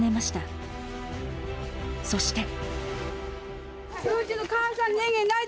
そして。